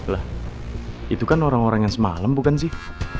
lah itu kan orang orang yang semalam bukan sih